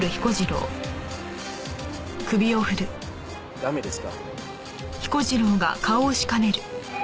ダメですか？